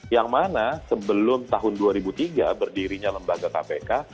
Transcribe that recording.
yang mana sebelum tahun dua ribu tiga berdirinya lembaga kpk